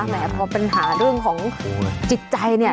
แม้แม้ปัญหาของจิตใจเนี่ย